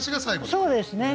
そうですね。